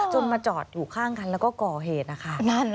มาจอดอยู่ข้างกันแล้วก็ก่อเหตุนะคะ